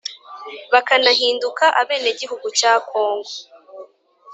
bakanahinduka abene gihugu cya congo.